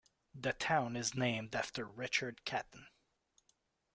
The town is named after Richard Caton.